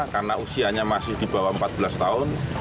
karena usianya masih di bawah empat belas tahun